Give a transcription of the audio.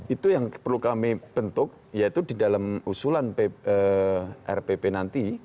itu yang perlu kami bentuk yaitu di dalam usulan rpp nanti